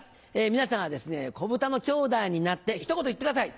皆さんは子ブタの兄弟になってひと言言ってください。